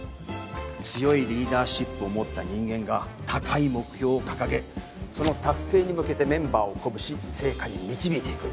強いリーダーシップを持った人間が高い目標を掲げその達成に向けてメンバーを鼓舞し成果に導いていく。